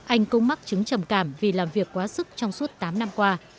anh cũng mắc chứng trầm cảm vì làm việc quá sức trong suốt tám năm qua